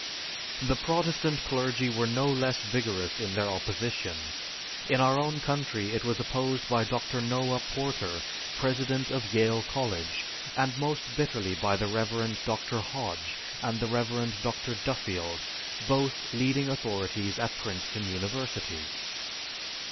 The Protestant clergy were no less vigorous in their opposition. In our own country it was opposed by Dr. Noah Porter, president of Yale College, and most bitterly by the Rev. Dr. Hodge and the Rev. Dr. Duffield, both leading authorities at Princeton University.